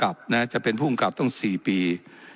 และยังเป็นประธานกรรมการอีก